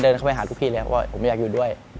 เข้าไปหาลูกพี่เลยครับว่าผมอยากอยู่ด้วย